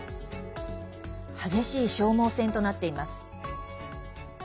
激しい消耗戦となっています。